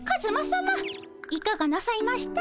いかがなさいました？